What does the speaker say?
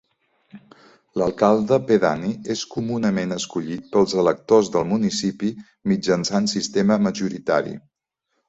L'Alcalde Pedani és comunament escollit pels electors del municipi mitjançant sistema majoritari.